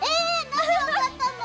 何で分かったの？